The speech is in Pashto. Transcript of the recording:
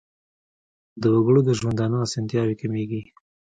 د وګړو د ژوندانه اسانتیاوې کمیږي.